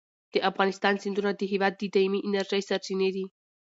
د افغانستان سیندونه د هېواد د دایمي انرژۍ سرچینې دي.